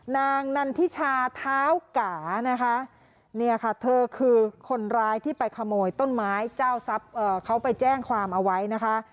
นางนันทิชาเท้ากานะคะเนี่ยค่ะเธอคือคนร้ายที่ไปขโมยต้นไม้เจ้าทรัพย์เขาไปแจ้งความเอาไว้นะคะ